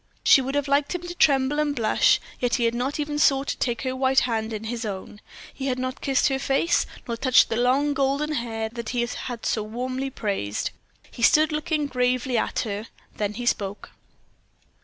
She would have liked him to tremble and blush, yet he had not even sought to take her white hand in his own. He had not kissed her face, nor touched the long, golden hair that he had so warmly praised. He stood looking gravely at her; then he spoke.